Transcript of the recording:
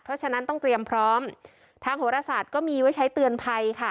เพราะฉะนั้นต้องเตรียมพร้อมทางโหรศาสตร์ก็มีไว้ใช้เตือนภัยค่ะ